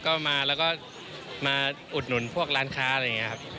ก็มาแล้วก็มาอุดหนุนพวกร้านค้าอะไรอย่างนี้ครับ